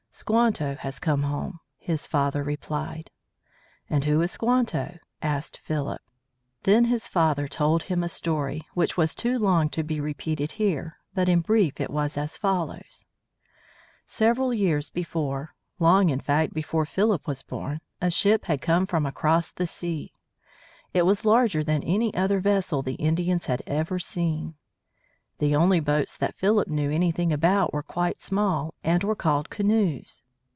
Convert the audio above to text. "Squanto has come home," his father replied. "And who is Squanto?" asked Philip. Then his father told him a story, which was too long to be repeated here. But in brief it was as follows: Several years before long, in fact, before Philip was born a ship had come from across the sea. It was larger than any other vessel the Indians had ever seen. The only boats that Philip knew anything about were quite small, and were called canoes.